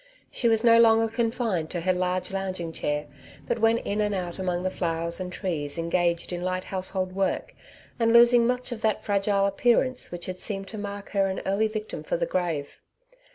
She was no longer confined to her large lounging chair, but went in and out among the flowers and trees engaged in light household work, and losing much of that fragile appearance which had seemed to mark her an early victim for the grave.